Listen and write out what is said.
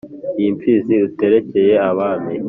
Iyi Mfizi uterekeye Abami